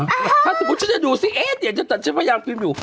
ถ้าสมมุติฉันจะดูซิเอ๊ะเดี๋ยวฉันพยายามพิมพ์อยู่